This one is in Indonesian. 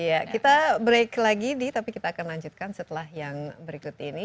iya kita break lagi di tapi kita akan lanjutkan setelah yang berikut ini